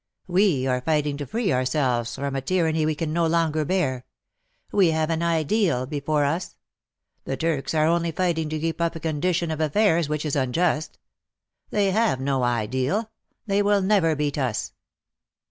We are fighting to free ourselves from a tyranny we can no longer bear. We have an Ideal before us. The Turks are only fighting to keep up a condition of affairs which is unjust. They have no Ideal — they will never beat us